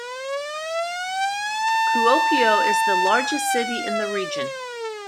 Kuopio is the largest city in the region.